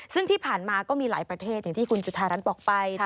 ซึ่งที่ผ่านมาก็มีหลายประเทศอย่างที่คุณจุธารัฐบอกไป